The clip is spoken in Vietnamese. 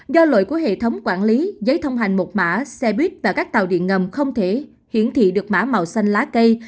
do lỗi của hệ thống quản lý giấy thông hành một mã xe buýt và các tàu điện ngầm không thể hiển thị được mã màu xanh lá cây